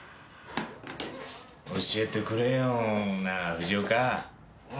教えてくれよなぁ藤岡。